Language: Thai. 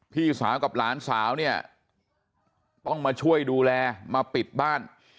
พี่สาวกับหลานสาวเนี่ยต้องมาช่วยดูแลมาปิดบ้าน